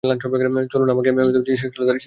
চলুন, এখন আপনাকে জ্বালানী ক্রিস্টালটা দেখাই।